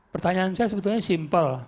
pertanyaan saya sebetulnya simpel